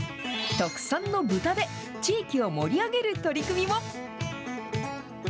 特産の豚で、地域を盛り上げる取り組みも。